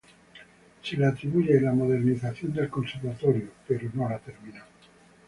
Se le atribuye la modernización del Conservatorio pero no la concluyó.